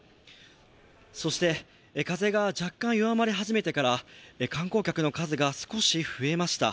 そして風が若干弱まり始めてから観光客の数が少し増えました。